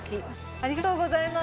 ありがとうございます。